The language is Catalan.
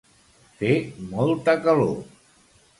Fer molta calor.